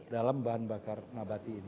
dalam bahan bakar nabati ini